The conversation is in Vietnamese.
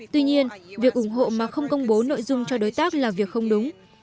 tuy nhiên việc ủng hộ mà không công bố nội dung cho đối tác là việc không đúng